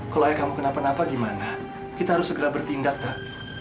kalau ayah kamu kenapa napa gimana kita harus segera bertindak pak